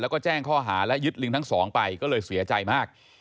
แล้วก็แจ้งข้อหาและยึดลิงทั้งสองไปก็เลยเสียใจมาก